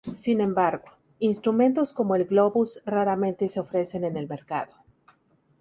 Sin embargo, instrumentos como el "Globus" raramente se ofrecen en el mercado.